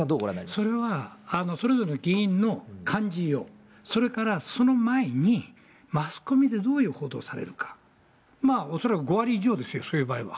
それはそれぞれの議員の感じよう、それからその前に、マスコミでどういう報道をされるか、まあ、恐らく５割以上ですよ、そういう場合は。